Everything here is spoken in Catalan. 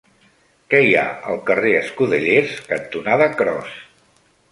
Què hi ha al carrer Escudellers cantonada Cros?